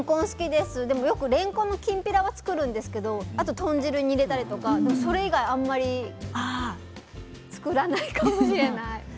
きんぴらは作るんですけど豚汁に入れたりとかそれ以外はあまり作らないかもしれない。